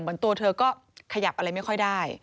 ตัวเธอก็ขยับอะไรไม่ค่อยได้